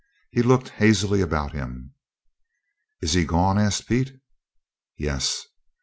He looked hazily about him. "Is he gone?" asked Pete. "Yes."